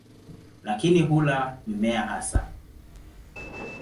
Lakini hula mimea hasa.